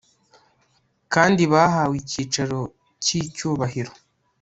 kandi bahabwe icyicaro cy'icyubahiro